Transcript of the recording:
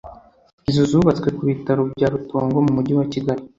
Izo zubatswe ku bitaro bya Rutongo mu Mujyi wa Kigali